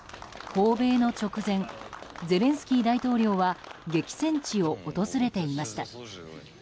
訪米の直前ゼレンスキー大統領は激戦地を訪れていました。